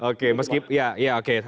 oke meskipun ya oke